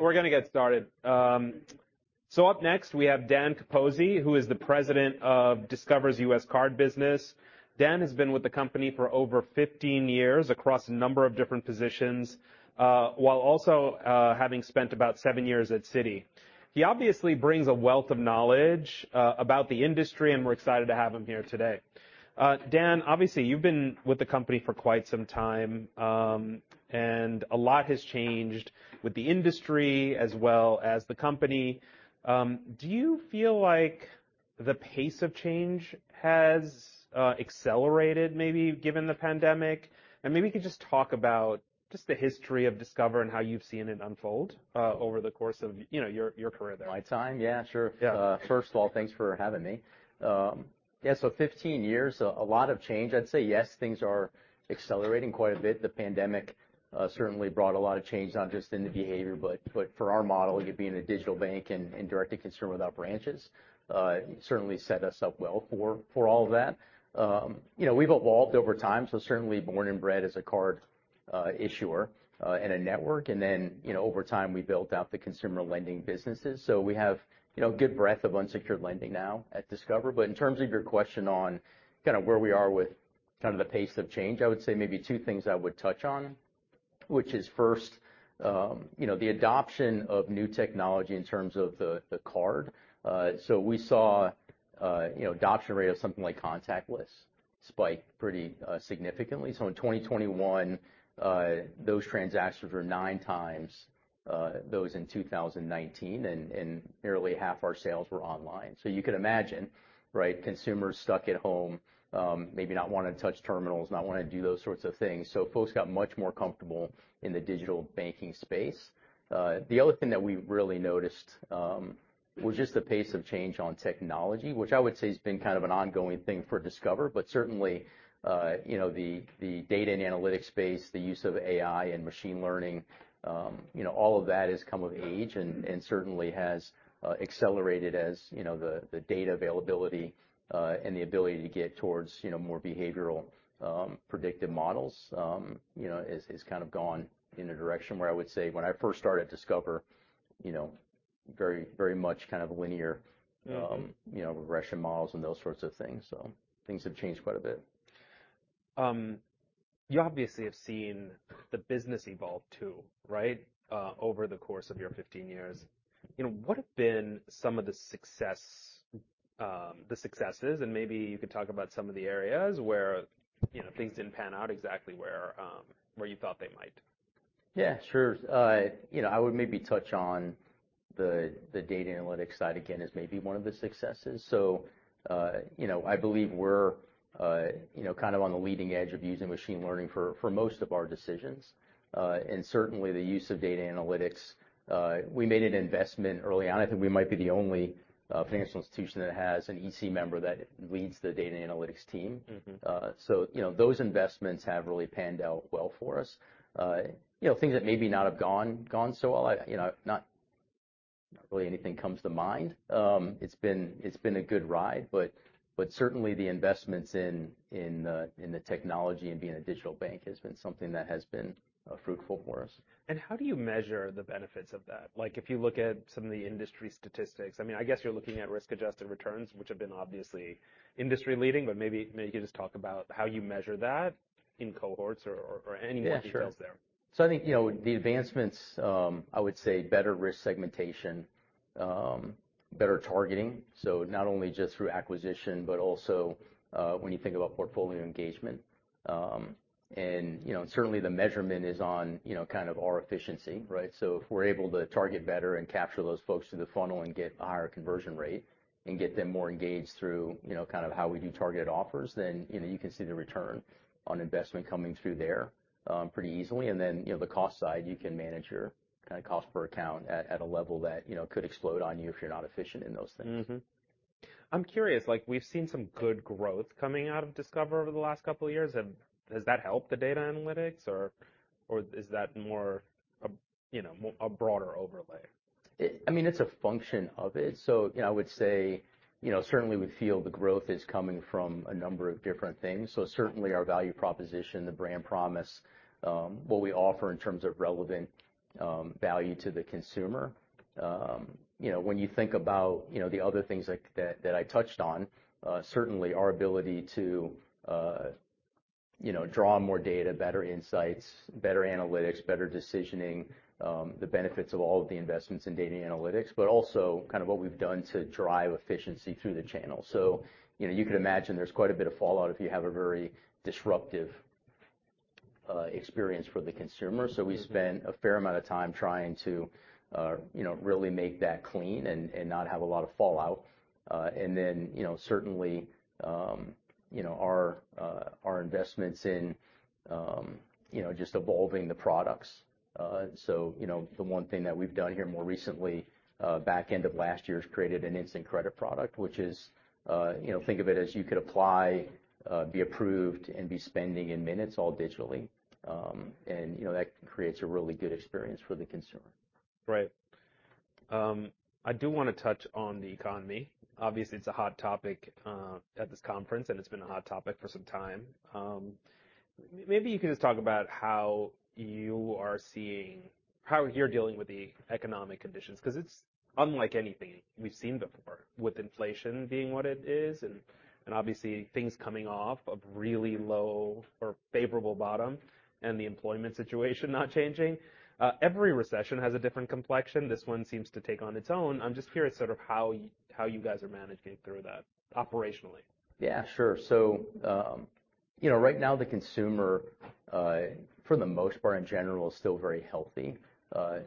We're gonna get started. So up next, we have Dan Capozzi, who is the president of Discover's U.S. card business. Dan has been with the company for over 15 years across a number of different positions, while also having spent about seven years at Citi. He obviously brings a wealth of knowledge about the industry, and we're excited to have him here today. Dan, obviously, you've been with the company for quite some time, a lot has changed with the industry as well as the company. Do you feel like the pace of change has accelerated maybe given the pandemic? Maybe you could just talk about just the history of Discover and how you've seen it unfold over the course of, you know, your career there. My time? Yeah, sure. Yeah. First of all, thanks for having me. Yeah, 15 years, a lot of change. I'd say yes, things are accelerating quite a bit. The pandemic certainly brought a lot of change not just in the behavior, but for our model, you know, being a digital bank and indirectly concerned with our branches, certainly set us up well for all of that. You know, we've evolved over time, certainly born and bred as a card issuer and a network. You know, over time, we built out the consumer lending businesses. We have, you know, good breadth of unsecured lending now at Discover. In terms of your question on kinda where we are with kind of the pace of change, I would say maybe two things I would touch on, which is first, you know, the adoption of new technology in terms of the card. We saw, you know, adoption rate of something like contactless spike pretty significantly. In 2021, those transactions were 9x those in 2019, and nearly half our sales were online. You could imagine, right, consumers stuck at home, maybe not wanting to touch terminals, not wanting to do those sorts of things. Folks got much more comfortable in the digital banking space. The other thing that we really noticed, was just the pace of change on technology, which I would say has been kind of an ongoing thing for Discover. Certainly, you know, the data and analytics space, the use of AI and machine learning, you know, all of that has come of age and certainly has accelerated as, you know, the data availability, and the ability to get towards, you know, more behavioral, predictive models, you know, has kind of gone in a direction where I would say when I first started at Discover, you know, very much kind of linear. Mm-hmm. You know, regression models and those sorts of things. Things have changed quite a bit. You obviously have seen the business evolve too, right, over the course of your 15 years. You know, what have been some of the successes, and maybe you could talk about some of the areas where, you know, things didn't pan out exactly where you thought they might. Yeah, sure. you know, I would maybe touch on the data analytics side again as maybe one of the successes. I believe we're you know, kind of on the leading edge of using machine learning for most of our decisions. certainly the use of data analytics. We made an investment early on. I think we might be the only financial institution that has an EC member that leads the data analytics team. Mm-hmm. You know, those investments have really panned out well for us. You know, things that maybe not have gone so well, I, you know, not really anything comes to mind. It's been a good ride, but certainly the investments in the technology and being a digital bank has been something that has been fruitful for us. How do you measure the benefits of that? Like, if you look at some of the industry statistics, I mean, I guess you're looking at risk-adjusted returns, which have been obviously industry-leading, but maybe you could just talk about how you measure that in cohorts or any more details there. Yeah, sure. I think, you know, the advancements, I would say better risk segmentation, better targeting, so not only just through acquisition, but also, when you think about portfolio engagement. You know, certainly the measurement is on, you know, kind of our efficiency, right? If we're able to target better and capture those folks through the funnel and get a higher conversion rate and get them more engaged through, you know, kind of how we do targeted offers, you know, you can see the return on investment coming through there, pretty easily. You know, the cost side, you can manage your kind of cost per account at a level that, you know, could explode on you if you're not efficient in those things. I'm curious, like we've seen some good growth coming out of Discover over the last couple of years. Has that helped the data analytics or is that more a, you know, a broader overlay? I mean, it's a function of it. You know, I would say, you know, certainly we feel the growth is coming from a number of different things. Certainly our value proposition, the brand promise, what we offer in terms of relevant value to the consumer. You know, when you think about, you know, the other things like that I touched on, certainly our ability to, you know, draw more data, better insights, better analytics, better decisioning, the benefits of all of the investments in data analytics, but also kind of what we've done to drive efficiency through the channel. You know, you can imagine there's quite a bit of fallout if you have a very disruptive experience for the consumer. Mm-hmm. We spend a fair amount of time trying to, you know, really make that clean and not have a lot of fallout. Certainly, you know, our investments in, you know, just evolving the products. The one thing that we've done here more recently, back end of last year is created an instant credit product, which is, you know, think of it as you could apply, be approved and be spending in minutes all digitally. That creates a really good experience for the consumer. Right. I do wanna touch on the economy. Obviously, it's a hot topic at this conference, and it's been a hot topic for some time. Maybe you can just talk about how you are seeing how you're dealing with the economic conditions 'cause it's unlike anything we've seen before, with inflation being what it is, and obviously things coming off of really low or favorable bottom and the employment situation not changing. Every recession has a different complexion. This one seems to take on its own. I'm just curious sort of how you guys are managing through that operationally. Yeah, sure. You know, right now the consumer, for the most part in general is still very healthy.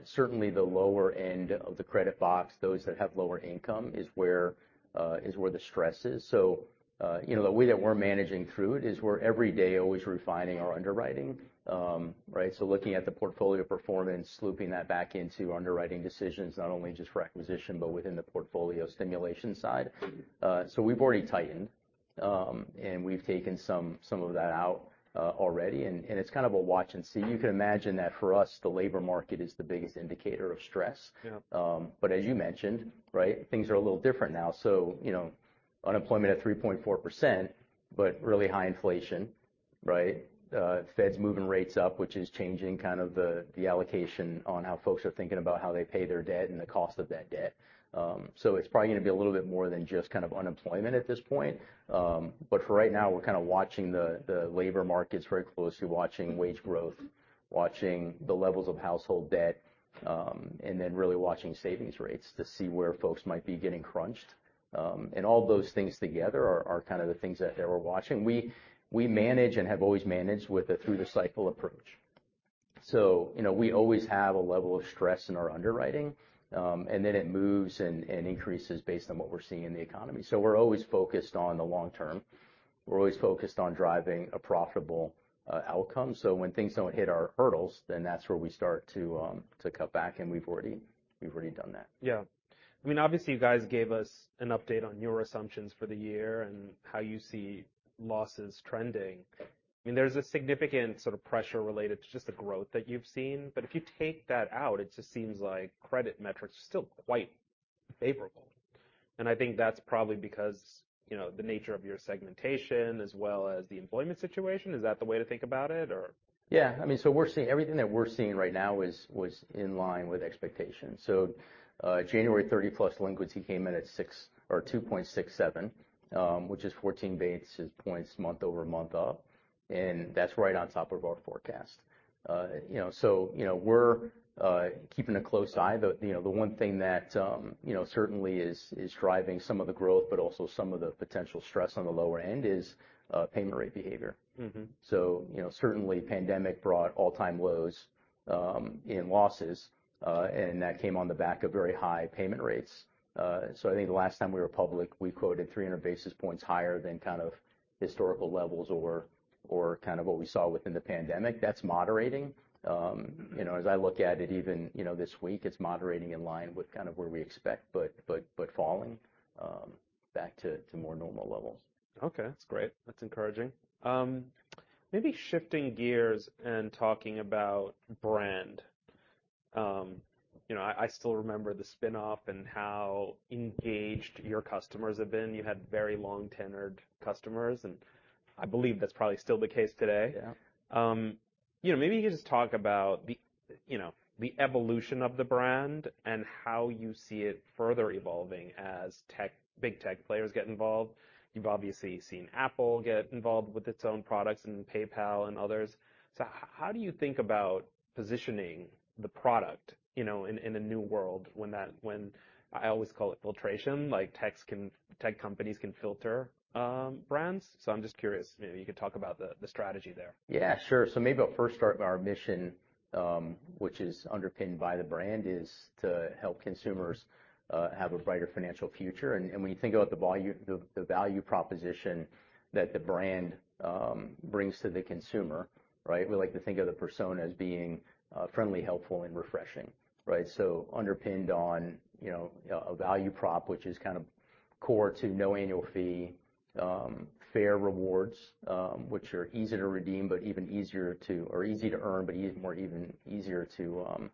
Certainly the lower end of the credit box, those that have lower income is where the stress is. You know, the way that we're managing through it is we're every day always refining our underwriting, right? Looking at the portfolio performance, looping that back into underwriting decisions, not only just for acquisition, but within the portfolio stimulation side. We've already tightened, and we've taken some of that out already, and it's kind of a watch and see. You can imagine that for us, the labor market is the biggest indicator of stress. Yeah. But as you mentioned, right, things are a little different now. You know, unemployment at 3.4%, but really high inflation, right? Fed's moving rates up, which is changing kind of the allocation on how folks are thinking about how they pay their debt and the cost of that debt. It's probably gonna be a little bit more than just kind of unemployment at this point. But for right now, we're kinda watching the labor markets very closely, watching wage growth, watching the levels of household debt, and then really watching savings rates to see where folks might be getting crunched. And all those things together are kind of the things that we're watching. We manage and have always managed with a through the cycle approach. You know, we always have a level of stress in our underwriting, and then it moves and increases based on what we're seeing in the economy. We're always focused on the long term. We're always focused on driving a profitable outcome. When things don't hit our hurdles, then that's where we start to cut back, and we've already done that. Yeah. I mean, obviously you guys gave us an update on your assumptions for the year and how you see losses trending. I mean, there's a significant sort of pressure related to just the growth that you've seen, but if you take that out, it just seems like credit metrics are still quite favorable. I think that's probably because, you know, the nature of your segmentation as well as the employment situation. Is that the way to think about it or? I mean, everything that we're seeing right now is in line with expectations. January 30+ delinquency came in at 6 or 2.67%, which is 14 basis points month-over-month up, and that's right on top of our forecast. You know, we're keeping a close eye. The one thing that, you know, certainly is driving some of the growth, but also some of the potential stress on the lower end is payment rate behavior. Mm-hmm. You know, certainly pandemic brought all-time lows, in losses, and that came on the back of very high payment rates. I think the last time we were public, we quoted 300 basis points higher than kind of historical levels or kind of what we saw within the pandemic. That's moderating. You know, as I look at it even, you know, this week, it's moderating in line with kind of where we expect, but falling, back to more normal levels. Okay. That's great. That's encouraging. Maybe shifting gears and talking about brand. You know, I still remember the spin-off and how engaged your customers have been. You had very long-tenured customers, and I believe that's probably still the case today. Yeah. You know, maybe you can just talk about the, you know, the evolution of the brand and how you see it further evolving as tech, big tech players get involved. You've obviously seen Apple get involved with its own products and PayPal and others. How do you think about positioning the product, you know, in a new world when I always call it filtration, like tech companies can filter brands. I'm just curious, you know, you could talk about the strategy there. Yeah, sure. Maybe I'll first start with our mission, which is underpinned by the brand, is to help consumers have a brighter financial future. When you think about the value proposition that the brand brings to the consumer, right, we like to think of the persona as being friendly, helpful, and refreshing, right? Underpinned on, you know, a value prop, which is kind of core to no annual fee, fair rewards, which are easy to earn, but more even easier to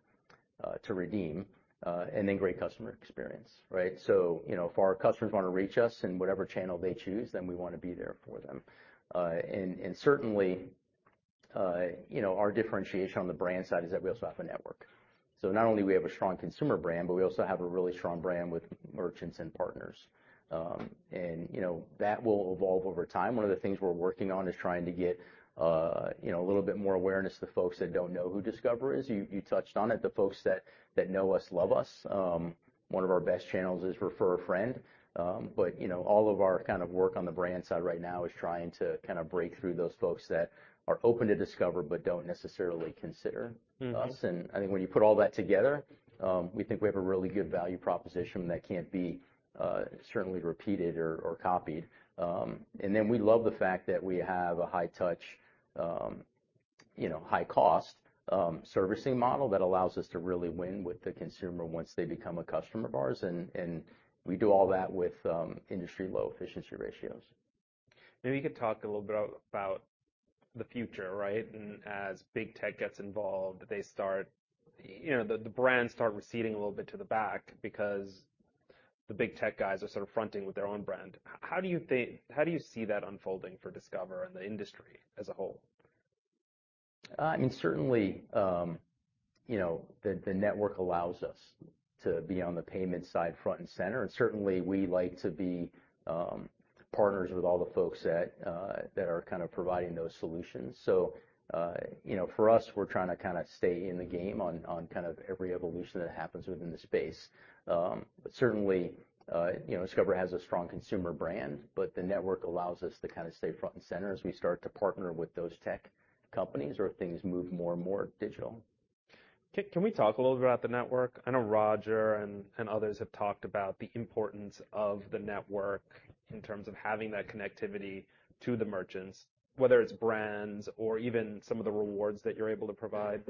redeem, and great customer experience, right? You know, if our customers wanna reach us in whatever channel they choose, we wanna be there for them. Certainly, you know, our differentiation on the brand side is that we also have a network. Not only we have a strong consumer brand, but we also have a really strong brand with merchants and partners. You know, that will evolve over time. One of the things we're working on is trying to get, you know, a little bit more awareness to folks that don't know who Discover is. You, you touched on it. The folks that know us love us. One of our best channels is refer a friend. You know, all of our kind of work on the brand side right now is trying to kind of break through those folks that are open to Discover but don't necessarily consider us. Mm-hmm. I think when you put all that together, we think we have a really good value proposition that can't be certainly repeated or copied. We love the fact that we have a high touch, you know, high cost, servicing model that allows us to really win with the consumer once they become a customer of ours. We do all that with industry low efficiency ratios. Maybe you could talk a little bit about the future, right? As big tech gets involved, they start, you know, the brands start receding a little bit to the back because the big tech guys are sort of fronting with their own brand. How do you see that unfolding for Discover and the industry as a whole? I mean, certainly, you know, the network allows us to be on the payment side front and center, and certainly, we like to be partners with all the folks that are kind of providing those solutions. For us, we're trying to kind of stay in the game on kind of every evolution that happens within the space. But certainly, you know, Discover has a strong consumer brand, but the network allows us to kind of stay front and center as we start to partner with those tech companies or things move more and more digital. Can we talk a little bit about the network? I know Roger and others have talked about the importance of the network in terms of having that connectivity to the merchants, whether it's brands or even some of the rewards that you're able to provide.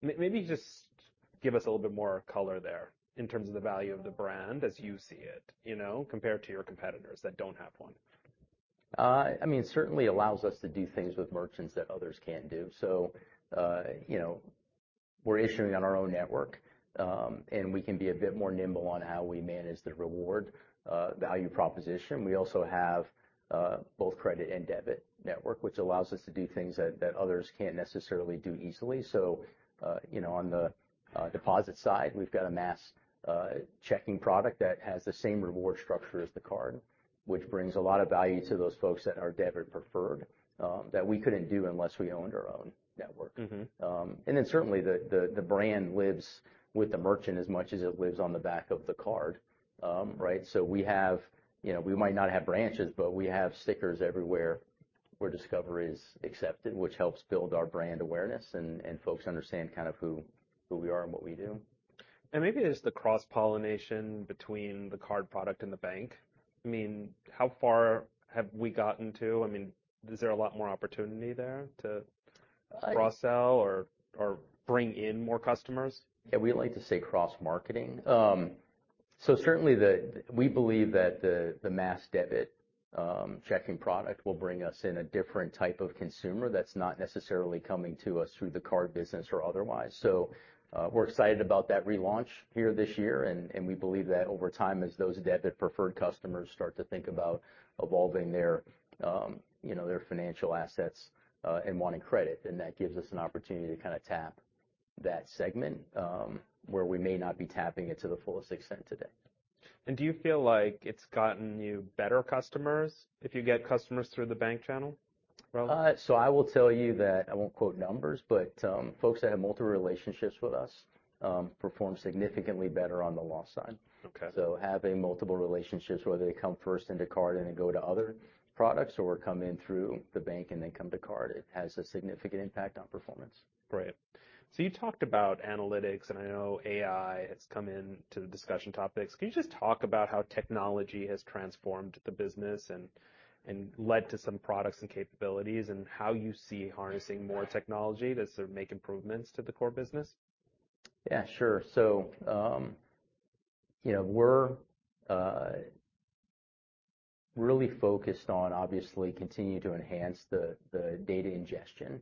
Maybe just give us a little bit more color there in terms of the value of the brand as you see it, you know, compared to your competitors that don't have one. I mean, it certainly allows us to do things with merchants that others can't do. You know, we're issuing on our own network, and we can be a bit more nimble on how we manage the reward value proposition. We also have both credit and debit network, which allows us to do things that others can't necessarily do easily. You know, on the deposit side, we've got a mass checking product that has the same reward structure as the card, which brings a lot of value to those folks that are debit preferred, that we couldn't do unless we owned our own network. Mm-hmm. Certainly the, the brand lives with the merchant as much as it lives on the back of the card, right? We have, you know, we might not have branches, but we have stickers everywhere where Discover is accepted, which helps build our brand awareness and folks understand kind of who we are and what we do. Maybe it's the cross-pollination between the card product and the bank. I mean, how far have we gotten to? I mean, is there a lot more opportunity there to cross-sell or bring in more customers? Yeah. We like to say cross-marketing. Certainly we believe that the mass debit checking product will bring us in a different type of consumer that's not necessarily coming to us through the card business or otherwise. We're excited about that relaunch here this year and we believe that over time, as those debit-preferred customers start to think about evolving their, you know, their financial assets, and wanting credit, that gives us an opportunity to kind of tap that segment where we may not be tapping it to the fullest extent today. Do you feel like it's gotten you better customers if you get customers through the bank channel, Rob? I will tell you that, I won't quote numbers, but, folks that have multiple relationships with us, perform significantly better on the loss side. Okay. Having multiple relationships, whether they come first into card and then go to other products or come in through the bank and then come to card, it has a significant impact on performance. Right. You talked about analytics, and I know AI has come into the discussion topics. Can you just talk about how technology has transformed the business and led to some products and capabilities and how you see harnessing more technology to sort of make improvements to the core business? Sure. You know, we're really focused on obviously continuing to enhance the data ingestion.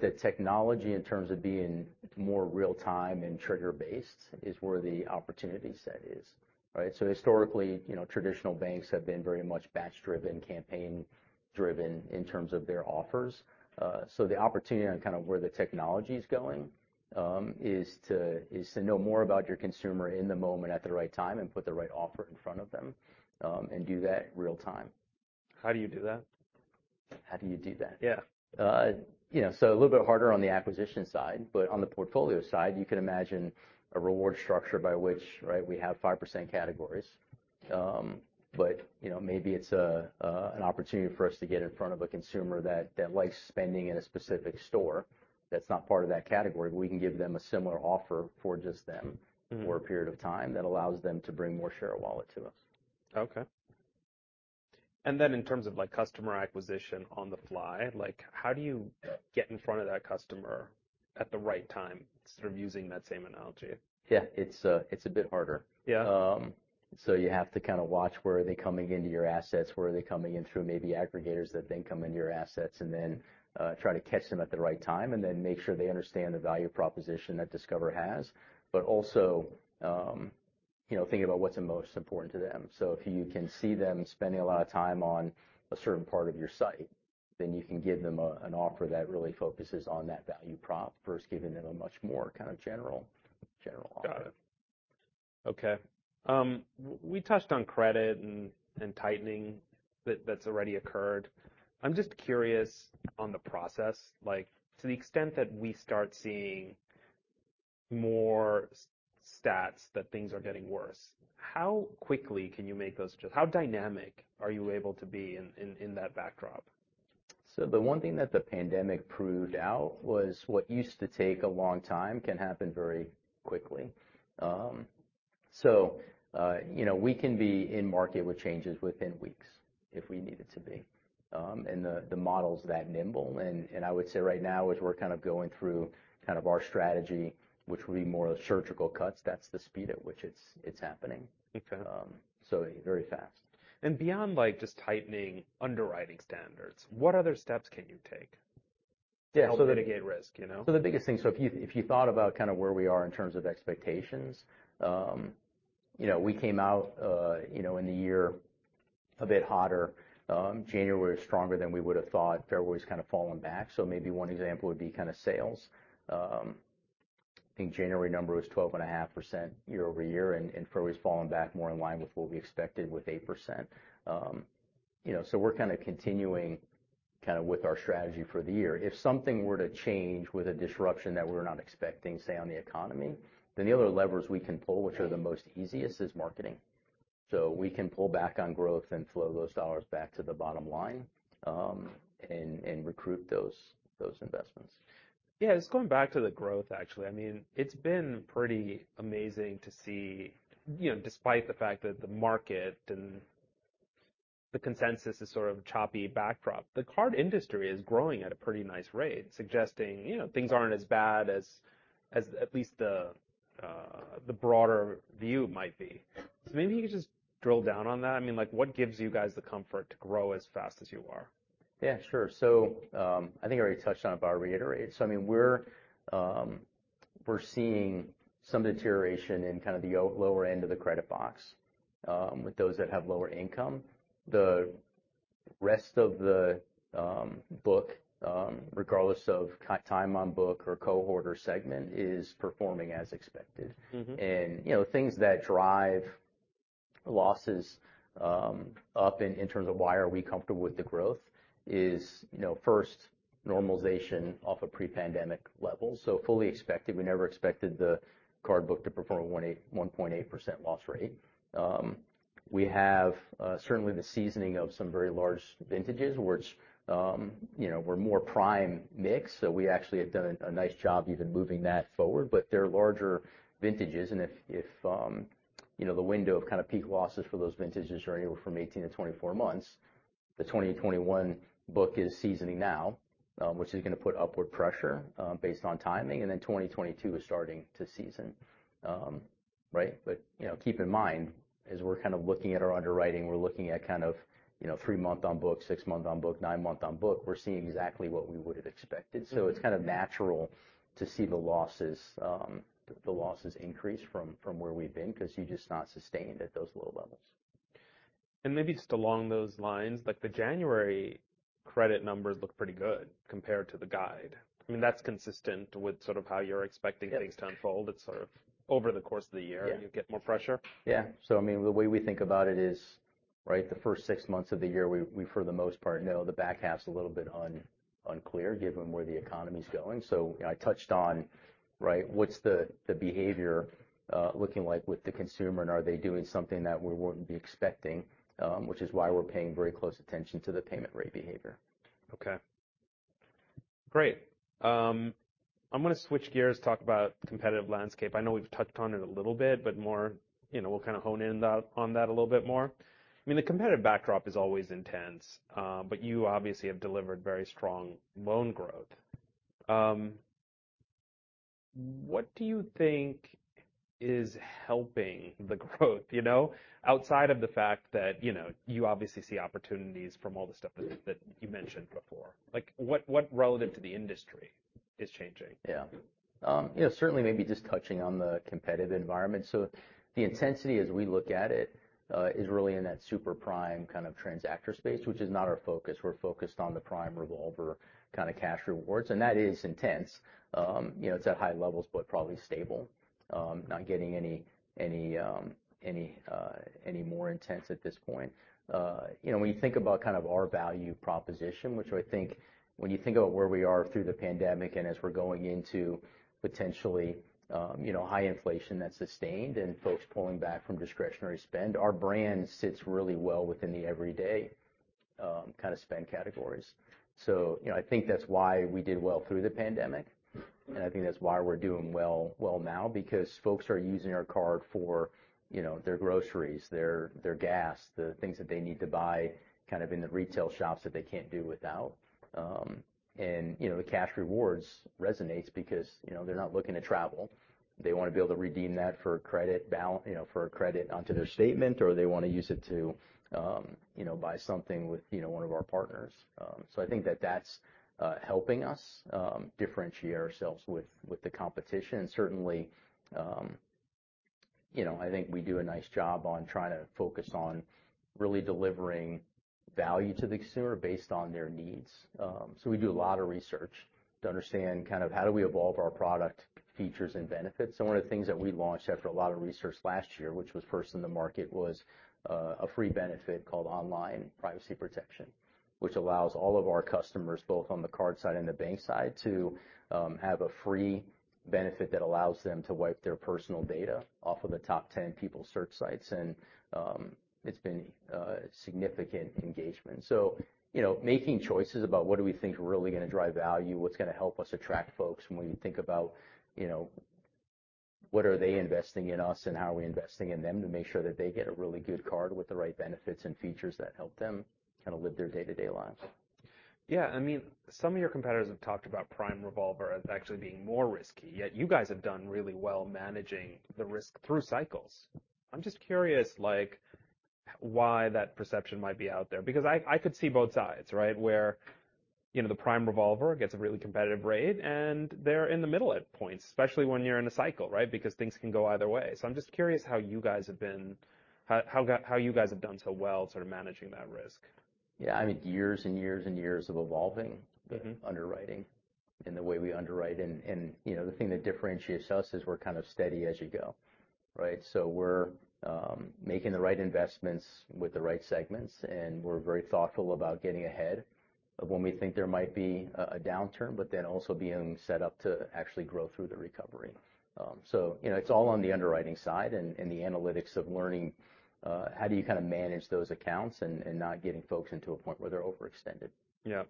The technology in terms of being more real time and trigger-based is where the opportunity set is, right? Historically, you know, traditional banks have been very much batch-driven, campaign-driven in terms of their offers. The opportunity on kind of where the technology's going, is to know more about your consumer in the moment at the right time and put the right offer in front of them, and do that real time. How do you do that? How do you do that? Yeah. You know, a little bit harder on the acquisition side, but on the portfolio side, you can imagine a reward structure by which, right, we have 5% categories. You know, maybe it's an opportunity for us to get in front of a consumer that likes spending in a specific store that's not part of that category. We can give them a similar offer for just them- Mm-hmm... for a period of time that allows them to bring more share of wallet to us. Okay. Then in terms of, like, customer acquisition on the fly, like, how do you get in front of that customer at the right time, sort of using that same analogy? Yeah. It's, it's a bit harder. Yeah. You have to kind of watch where are they coming into your assets, where are they coming in through maybe aggregators that then come into your assets, and then try to catch them at the right time, and then make sure they understand the value proposition that Discover has. You know, think about what's the most important to them. If you can see them spending a lot of time on a certain part of your site, then you can give them an offer that really focuses on that value prop versus giving them a much more kind of general offer. Got it. Okay. We touched on credit and tightening that's already occurred. I'm just curious on the process, like to the extent that we start seeing more stats that things are getting worse, how quickly can you make those how dynamic are you able to be in that backdrop? The one thing that the pandemic proved out was what used to take a long time can happen very quickly. you know, we can be in market with changes within weeks if we needed to be. The model's that nimble. I would say right now as we're kind of going through our strategy, which will be more surgical cuts, that's the speed at which it's happening. Okay. Very fast. Beyond, like, just tightening underwriting standards, what other steps can you take? Yeah, so the- to help mitigate risk, you know? If you, if you thought about kind of where we are in terms of expectations, you know, we came out in the year a bit hotter. January was stronger than we would have thought. February's kind of fallen back. Maybe one example would be kind of sales. I think January number was 12.5% year-over-year, and February's fallen back more in line with what we expected with 8%. We're kind of continuing kind of with our strategy for the year. If something were to change with a disruption that we're not expecting, say, on the economy, then the other levers we can pull, which are the most easiest, is marketing. We can pull back on growth and flow those dollars back to the bottom line, and recruit those investments. Just going back to the growth, actually. I mean, it's been pretty amazing to see, you know, despite the fact that the market and the consensus is sort of a choppy backdrop, the card industry is growing at a pretty nice rate, suggesting, you know, things aren't as bad as at least the broader view might be. Maybe you could just drill down on that. I mean, like, what gives you guys the comfort to grow as fast as you are? Yeah, sure. I think I already touched on it, but I'll reiterate. I mean, we're seeing some deterioration in kind of the lower end of the credit box, with those that have lower income. The rest of the book, regardless of time on book or cohort or segment is performing as expected. Mm-hmm. you know, things that drive losses up in terms of why are we comfortable with the growth is, you know, first normalization off of pre-pandemic levels. Fully expected. We never expected the card book to perform 1.8% loss rate. We have certainly the seasoning of some very large vintages, which, you know, were more prime mix. We actually have done a nice job even moving that forward. They're larger vintages, and, you know, the window of kind of peak losses for those vintages are anywhere from 18 to 24 months, the 2020 to 2021 book is seasoning now, which is gonna put upward pressure based on timing. Then 2022 is starting to season. Right? You know, keep in mind, as we're kind of looking at our underwriting, we're looking at kind of, you know, three-month on book, six-month on book, nine-month on book, we're seeing exactly what we would've expected. It's kind of natural to see the losses increase from where we've been, 'cause you're just not sustained at those low levels. Maybe just along those lines, like the January credit numbers look pretty good compared to the guide. I mean, that's consistent with sort of how you're expecting things. Yes to unfold. It's sort of over the course of the year- Yeah you get more pressure. Yeah. I mean, the way we think about it is, right, the first six months of the year, we for the most part know. The back half's a little bit unclear given where the economy's going. I touched on, right, what's the behavior looking like with the consumer, Are they doing something that we wouldn't be expecting, which is why we're paying very close attention to the payment rate behavior. Okay. Great. I'm gonna switch gears, talk about competitive landscape. I know we've touched on it a little bit, but more, you know, we'll kind of hone on that a little bit more. I mean, the competitive backdrop is always intense, but you obviously have delivered very strong loan growth. What do you think is helping the growth, you know, outside of the fact that, you know, you obviously see opportunities from all the stuff that you mentioned before. Like, what relevant to the industry is changing? Yeah, you know, certainly maybe just touching on the competitive environment. The intensity as we look at it, is really in that super prime kind of transactor space, which is not our focus. We're focused on the prime revolver, kind of cash rewards, and that is intense. You know, it's at high levels, but probably stable. Not getting any more intense at this point. When you think about kind of our value proposition, which I think when you think about where we are through the pandemic and as we're going into potentially, you know, high inflation that's sustained and folks pulling back from discretionary spend, our brand sits really well within the everyday, kind of spend categories. You know, I think that's why we did well through the pandemic, and I think that's why we're doing well now because folks are using our card for, you know, their groceries, their gas, the things that they need to buy kind of in the retail shops that they can't do without. You know, the cash rewards resonates because, you know, they're not looking to travel. They wanna be able to redeem that for credit, you know, for credit onto their statement, or they wanna use it to, you know, buy something with, you know, one of our partners. I think that that's helping us differentiate ourselves with the competition. Certainly, you know, I think we do a nice job on trying to focus on really delivering value to the consumer based on their needs. We do a lot of research to understand kind of how do we evolve our product features and benefits. One of the things that we launched after a lot of research last year, which was first in the market, was a free benefit called Online Privacy Protection, which allows all of our customers, both on the card side and the bank side, to have a free benefit that allows them to wipe their personal data off of the top 10 people search sites. It's been significant engagement. You know, making choices about what do we think is really gonna drive value, what's gonna help us attract folks when you think about, you know. What are they investing in us and how are we investing in them to make sure that they get a really good card with the right benefits and features that help them kind of live their day-to-day lives? I mean, some of your competitors have talked about prime revolver as actually being more risky, yet you guys have done really well managing the risk through cycles. I'm just curious, like, why that perception might be out there, because I could see both sides, right, where, you know, the prime revolver gets a really competitive rate and they're in the middle at points, especially when you're in a cycle, right? Things can go either way. I'm just curious how you guys have done so well sort of managing that risk. Yeah, I mean, years and years and years of evolving. Mm-hmm. The underwriting and the way we underwrite. You know, the thing that differentiates us is we're kind of steady as you go, right? We're making the right investments with the right segments, and we're very thoughtful about getting ahead of when we think there might be a downturn, but then also being set up to actually grow through the recovery. You know, it's all on the underwriting side and the analytics of learning how do you kind of manage those accounts and not getting folks into a point where they're overextended. Yeah.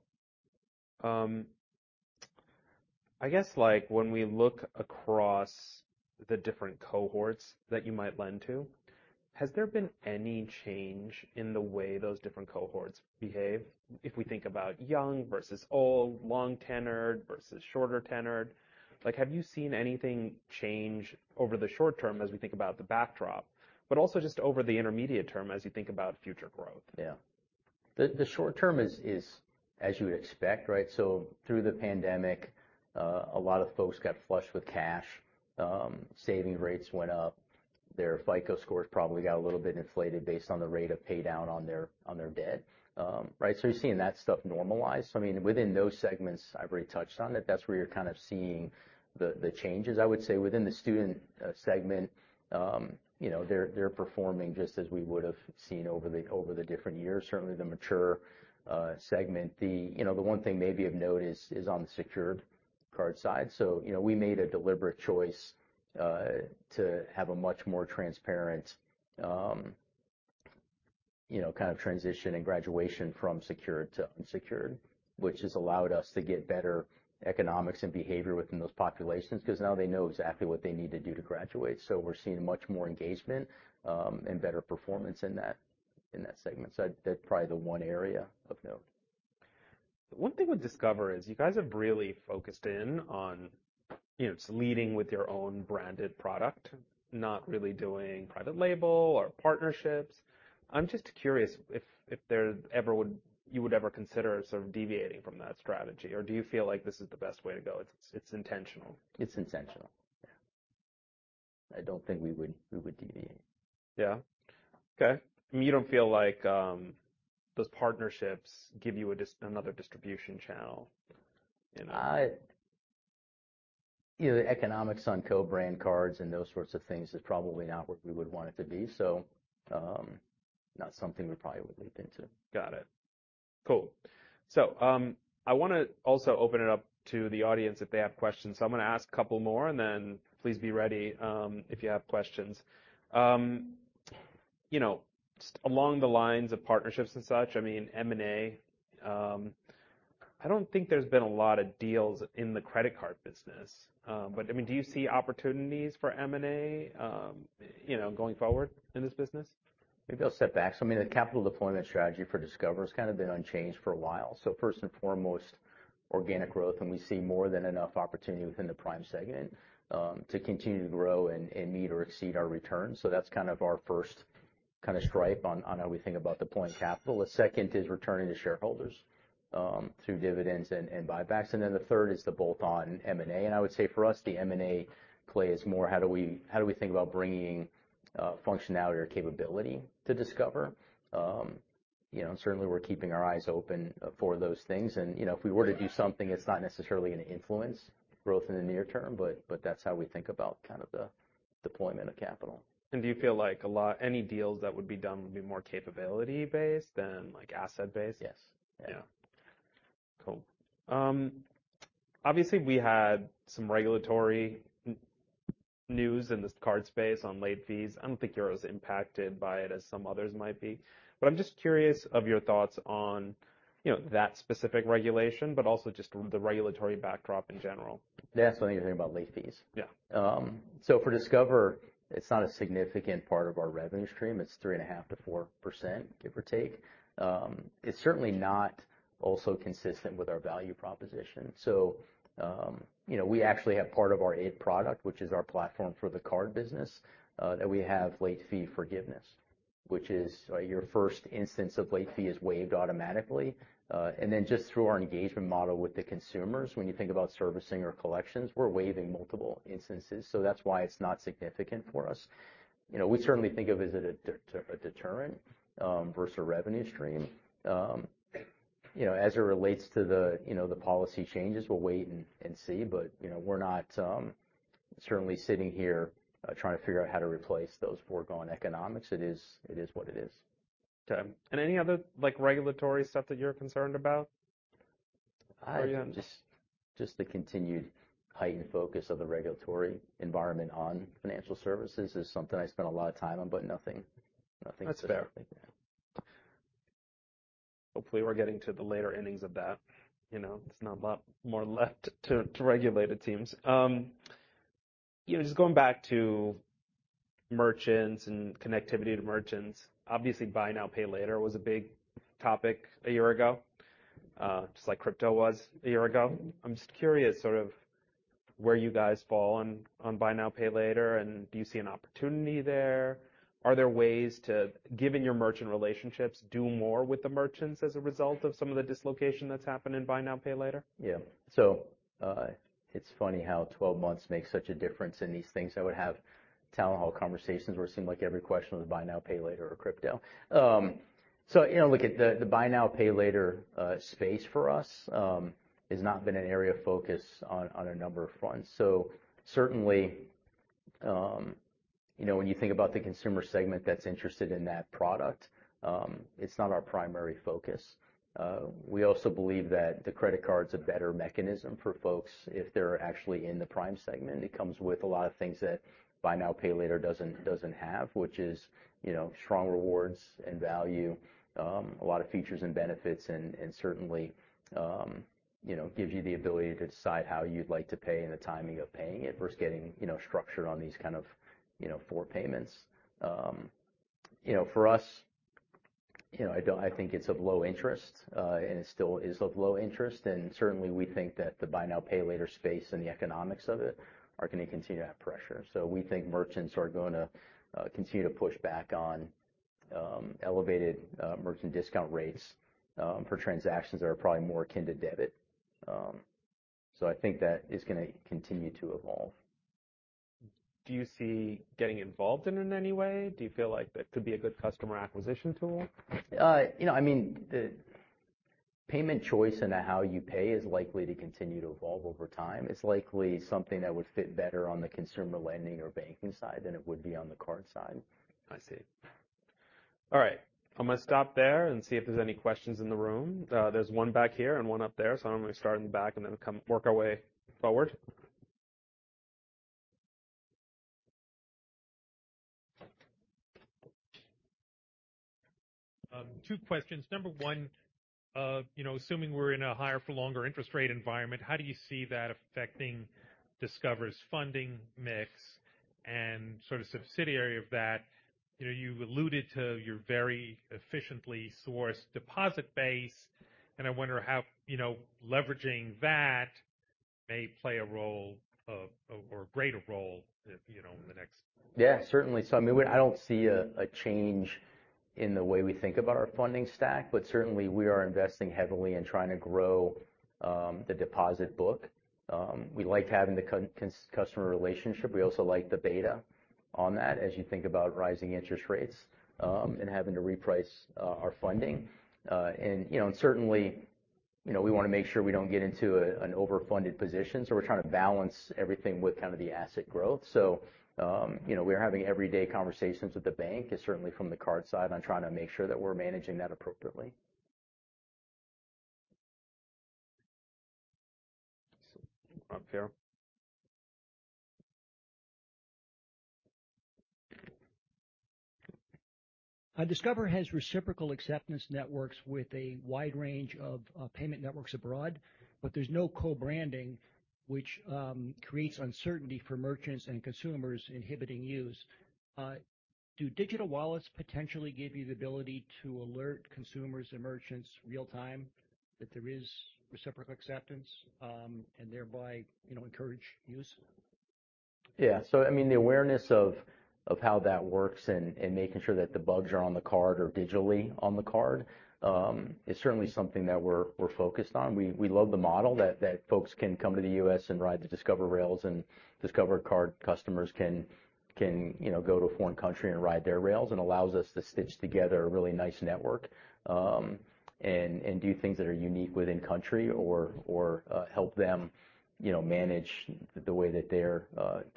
I guess like when we look across the different cohorts that you might lend to, has there been any change in the way those different cohorts behave? If we think about young versus old, long tenured versus shorter tenured, like, have you seen anything change over the short term as we think about the backdrop, but also just over the intermediate term as you think about future growth? The short term is as you would expect, right? Through the pandemic, a lot of folks got flushed with cash. Saving rates went up. Their FICO scores probably got a little bit inflated based on the rate of pay down on their, on their debt. Right. You're seeing that stuff normalize. I mean, within those segments, I've already touched on it. That's where you're kind of seeing the changes. I would say within the student segment, you know, they're performing just as we would've seen over the different years. Certainly, the mature segment. The, you know, the one thing maybe of note is on the secured card side. You know, we made a deliberate choice to have a much more transparent, you know, kind of transition and graduation from secured to unsecured, which has allowed us to get better economics and behavior within those populations 'cause now they know exactly what they need to do to graduate. We're seeing much more engagement and better performance in that, in that segment. That's probably the one area of note. One thing with Discover is you guys have really focused in on, you know, leading with your own branded product, not really doing private label or partnerships. I'm just curious if you would ever consider sort of deviating from that strategy, or do you feel like this is the best way to go, it's intentional? It's intentional. Yeah. I don't think we would deviate. Yeah. Okay. You don't feel like, those partnerships give you another distribution channel in a-. you know, the economics on co-brand cards and those sorts of things is probably not where we would want it to be. Not something we probably would leap into. Got it. Cool. I wanna also open it up to the audience if they have questions. I'm gonna ask a couple more, and then please be ready, if you have questions. You know, just along the lines of partnerships and such, I mean, M&A, I don't think there's been a lot of deals in the credit card business. I mean, do you see opportunities for M&A, you know, going forward in this business? Maybe I'll step back. I mean, the capital deployment strategy for Discover has kind of been unchanged for a while. First and foremost, organic growth, and we see more than enough opportunity within the prime segment to continue to grow and meet or exceed our returns. That's kind of our first kind of stripe on how we think about deploying capital. The second is returning to shareholders through dividends and buybacks. The third is the bolt-on M&A. I would say for us, the M&A play is more how do we think about bringing functionality or capability to Discover? You know, certainly we're keeping our eyes open for those things. You know, if we were to do something, it's not necessarily gonna influence growth in the near term, but that's how we think about kind of the deployment of capital. Do you feel like any deals that would be done would be more capability based than like asset based? Yes. Yeah. Yeah. Cool. Obviously, we had some regulatory news in this card space on late fees. I don't think you're as impacted by it as some others might be, but I'm just curious of your thoughts on, you know, that specific regulation, but also just the regulatory backdrop in general. That's what you're thinking about, late fees. Yeah. For Discover, it's not a significant part of our revenue stream. It's 3.5%-4%, give or take. It's certainly not also consistent with our value proposition. You know, we actually have part of our aid product, which is our platform for the card business, that we have late fee forgiveness, which is, your 1st instance of late fee is waived automatically. Then just through our engagement model with the consumers, when you think about servicing or collections, we're waiving multiple instances. That's why it's not significant for us. You know, we certainly think of it as a deterrent versus a revenue stream. You know, as it relates to the, you know, the policy changes, we'll wait and see. You know, we're not, certainly sitting here, trying to figure out how to replace those foregone economics. It is, it is what it is. Okay. Any other, like, regulatory stuff that you're concerned about? Just the continued heightened focus of the regulatory environment on financial services is something I spend a lot of time on, but nothing specific. That's fair. Hopefully, we're getting to the later innings of that. You know, there's not a lot more left to regulate it seems. You know, just going back to merchants and connectivity to merchants. Obviously, buy now, pay later was a big topic a year ago, just like crypto was a year ago. I'm just curious sort of where you guys fall on buy now, pay later, and do you see an opportunity there? Are there ways to, given your merchant relationships, do more with the merchants as a result of some of the dislocation that's happened in buy now, pay later? It's funny how 12 months makes such a difference in these things. I would have town hall conversations where it seemed like every question was buy now, pay later or crypto. You know, look at the buy now, pay later space for us has not been an area of focus on a number of fronts. Certainly, you know, when you think about the consumer segment that's interested in that product, it's not our primary focus. We also believe that the credit card's a better mechanism for folks if they're actually in the prime segment. It comes with a lot of things that buy now, pay later doesn't have, which is, you know, strong rewards and value, a lot of features and benefits and certainly, you know, gives you the ability to decide how you'd like to pay and the timing of paying it versus getting, you know, structured on these kind of, you know, four payments. You know, for us, you know, I think it's of low interest and it still is of low interest. Certainly, we think that the buy now, pay later space and the economics of it are gonna continue to have pressure. We think merchants are gonna continue to push back on elevated merchant discount rates for transactions that are probably more akin to debit. I think that is gonna continue to evolve. Do you see getting involved in it in any way? Do you feel like that could be a good customer acquisition tool? You know, I mean, the payment choice into how you pay is likely to continue to evolve over time. It's likely something that would fit better on the consumer lending or banking side than it would be on the card side. I see. All right. I'm gonna stop there and see if there's any questions in the room. There's one back here and one up there, so I'm gonna start in the back and then work our way forward. Two questions. Number one, you know, assuming we're in a higher for longer interest rate environment, how do you see that affecting Discover's funding mix? Sort of subsidiary of that, you know, you alluded to your very efficiently sourced deposit base, and I wonder how, you know, leveraging that may play a role of, or a greater role if, you know, in the next Yeah, certainly. I mean, I don't see a change in the way we think about our funding stack, but certainly, we are investing heavily in trying to grow the deposit book. We like to have the customer relationship. We also like the beta on that as you think about rising interest rates, and having to reprice our funding. You know, and certainly, you know, we wanna make sure we don't get into an overfunded position, so we're trying to balance everything with kind of the asset growth. You know, we're having everyday conversations with the bank and certainly from the card side on trying to make sure that we're managing that appropriately. Up here. Discover has reciprocal acceptance networks with a wide range of payment networks abroad, but there's no co-branding, which creates uncertainty for merchants and consumers inhibiting use. Do digital wallets potentially give you the ability to alert consumers and merchants real time that there is reciprocal acceptance, and thereby, you know, encourage use? I mean, the awareness of how that works and making sure that the bugs are on the card or digitally on the card is certainly something that we're focused on. We love the model that folks can come to the U.S. and ride the Discover rails, and Discover card customers can, you know, go to a foreign country and ride their rails and allows us to stitch together a really nice network and do things that are unique within country or help them, you know, manage the way that their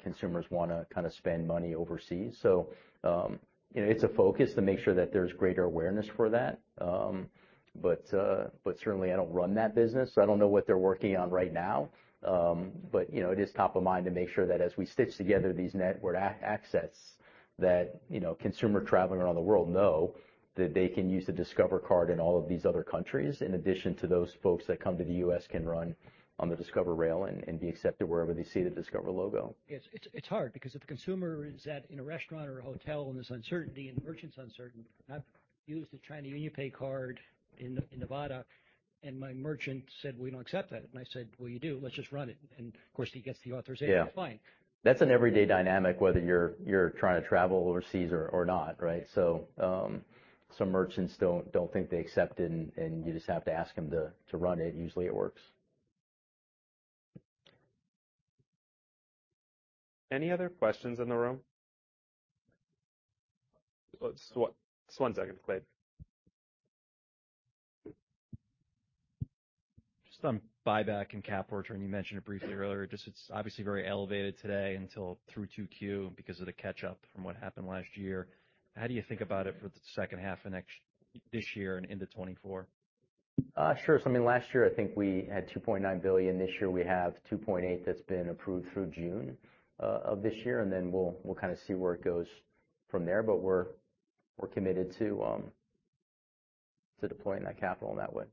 consumers wanna kinda spend money overseas. You know, it's a focus to make sure that there's greater awareness for that. Certainly, I don't run that business. I don't know what they're working on right now. You know, it is top of mind to make sure that as we stitch together these network access that, you know, consumer traveling around the world know that they can use the Discover card in all of these other countries, in addition to those folks that come to the U.S. can run on the Discover rail and be accepted wherever they see the Discover logo. Yes. It's hard because if the consumer is in a restaurant or a hotel and there's uncertainty and the merchant's uncertain. I've used the China UnionPay card in Nevada, and my merchant said, "We don't accept that." I said, "Well, you do. Let's just run it." Of course, he gets the authorization- Yeah. -fine. That's an everyday dynamic, whether you're trying to travel overseas or not, right? Some merchants don't think they accept it, and you just have to ask them to run it. Usually, it works. Any other questions in the room? Just one, just one second, Clay. Just on buyback and cap return, you mentioned it briefly earlier. Just it's obviously very elevated today until through 2Q because of the catch-up from what happened last year. How do you think about it for the second half of this year and into 2024? Sure. I mean, last year I think we had $2.9 billion. This year we have $2.8 billion that's been approved through June of this year, and then we'll kind of see where it goes from there. We're committed to deploying that capital in that way.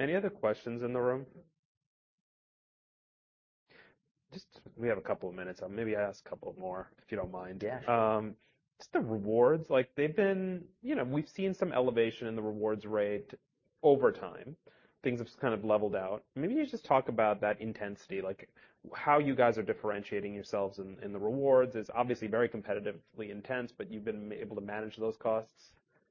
Any other questions in the room? Just we have a couple of minutes. Maybe ask a couple of more, if you don't mind. Yeah. Just the rewards, like they've been, you know, we've seen some elevation in the rewards rate over time. Things have just kind of leveled out. Maybe you just talk about that intensity, like how you guys are differentiating yourselves in the rewards is obviously very competitively intense, but you've been able to manage those costs?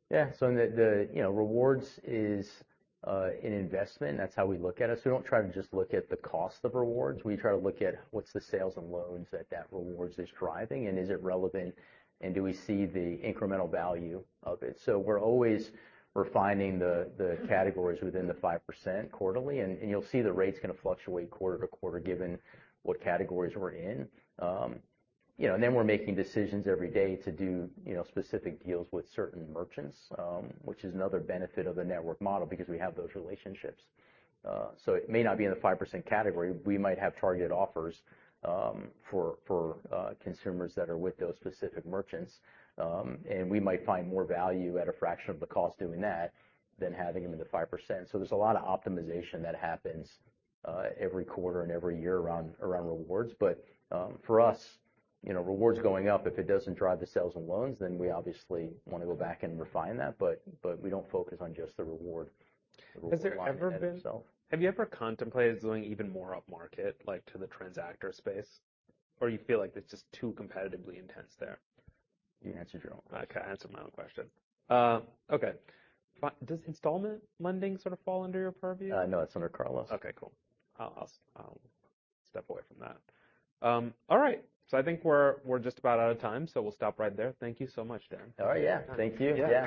In the, you know, rewards is an investment. That's how we look at it. We don't try to just look at the cost of rewards. We try to look at what's the sales and loans that rewards is driving and is it relevant, and do we see the incremental value of it. We're always refining the categories within the 5% quarterly, and you'll see the rates gonna fluctuate quarter to quarter given what categories we're in. You know, then we're making decisions every day to do, you know, specific deals with certain merchants, which is another benefit of the network model because we have those relationships. It may not be in the 5% category. We might have targeted offers for consumers that are with those specific merchants. We might find more value at a fraction of the cost doing that than having them in the 5%. There's a lot of optimization that happens every quarter and every year around rewards. For us, you know, rewards going up, if it doesn't drive the sales and loans, then we obviously wanna go back and refine that. But we don't focus on just the reward. Have you ever contemplated doing even more upmarket, like, to the transactor space? You feel like it's just too competitively intense there? You answered your own question. Okay, I answered my own question. Okay. Does installment lending sort of fall under your purview? no, that's under Carlos. Okay, cool. I'll step away from that. All right. I think we're just about out of time, so we'll stop right there. Thank you so much, Dan. All right. Yeah. Thank you. Yeah.